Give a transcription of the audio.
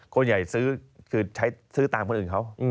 คนใหญ่ซื้อคือใช้ซื้อตามคนอื่นเขา